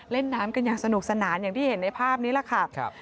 เล่นน้ำกันอย่างสนุกสนานอย่างที่เห็นในภาพนี้แหละค่ะ